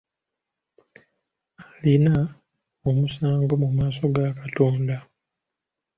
Alina omusango mu maaso ga katonda.